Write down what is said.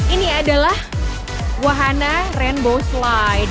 ini adalah wahana rainbow slide